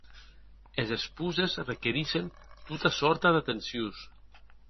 Es esposes requerissen tota sòrta d’atencions.